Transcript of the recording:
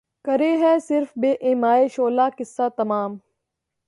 کرے ہے صِرف بہ ایمائے شعلہ قصہ تمام